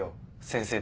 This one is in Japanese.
先生！